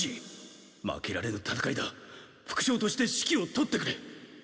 負けられぬ戦いだ副将として指揮をとってくれ。